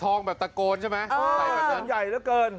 ทองแบบตะโกนใช่ไหมไข่แบบนั้นอ๋อทองใหญ่เท่าเกิน